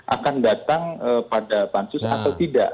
akan datang pada pansus atau tidak